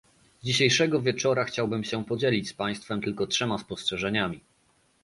Dzisiejszego wieczora chciałbym się podzielić z Państwem tylko trzema spostrzeżeniami